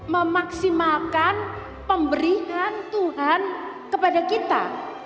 memaksimalkan pemberian tuhan kepada kita